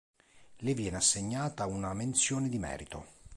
Le viene assegnata una menzione di merito.